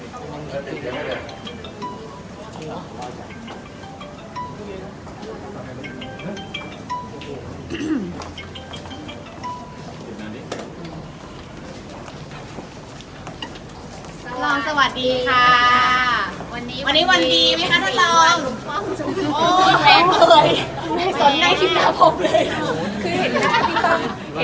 สวัสดีค่ะสวัสดีค่ะสวัสดีค่ะ